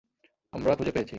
আমরা খুঁজে পেয়েছি।